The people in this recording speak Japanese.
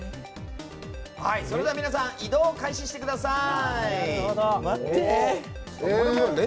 それでは皆さん移動を開始してください。